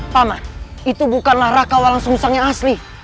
paman itu bukanlah raka walang sungseng yang asli